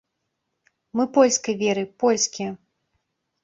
Мы польскай веры, польскія.